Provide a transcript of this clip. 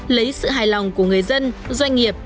lấy sự hài lòng của người dân doanh nghiệp